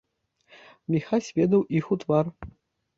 Міхась ведаў іх у твар.